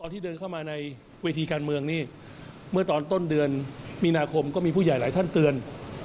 ที่เดินเข้ามาในเวทีการเมืองนี่เมื่อตอนต้นเดือนมีนาคมก็มีผู้ใหญ่หลายท่านเตือน